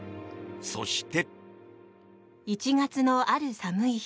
そして。